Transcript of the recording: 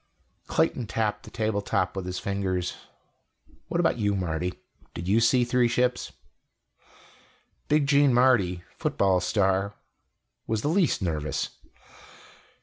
Clayton tapped the tabletop with his fingers. "What about you, Marty? Did you see three ships?" Big Gene Marty, football star, was the least nervous.